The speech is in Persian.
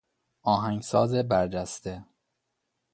آهنگساز برجسته